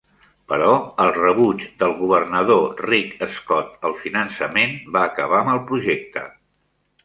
Però, el rebuig del Governador Rick Scott al financament va acabar amb el projecte.